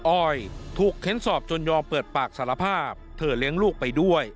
ออยถูกเค้นสอบจนยอมเปิดปากสารภาพเธอเลี้ยงลูกไปด้วย